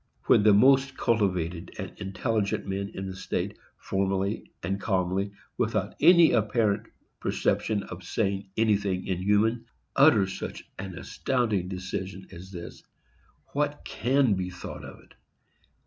_ When the most cultivated and intelligent men in the state formally, calmly and without any apparent perception of saying anything inhuman, utter such an astounding decision as this, what can be thought of it?